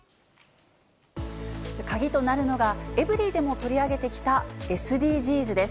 鍵となるのが、エブリィでも取り上げてきたＳＤＧｓです。